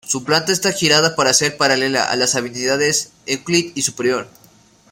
Su planta está girada para ser paralela a las avenidas Euclid y Superior.